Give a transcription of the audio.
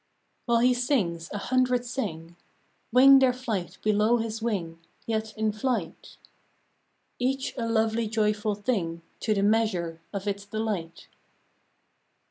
" While he sings, a hundred sing ; Wing their flight below his wing Yet in flight; Each a lovely joyful thing To the measure of its delight.